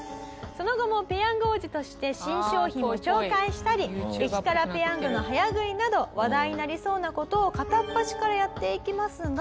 「その後もペヤング王子として新商品を紹介したり激辛ペヤングの早食いなど話題になりそうな事を片っ端からやっていきますが」